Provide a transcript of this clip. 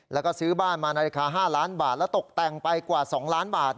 แล้วก็ซื้อบ้านมาในราคา๕ล้านบาทแล้วตกแต่งไปกว่า๒ล้านบาท